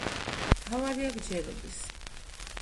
მთავარია გჯეროდეს